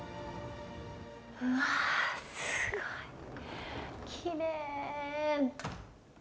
うわすごいきれい。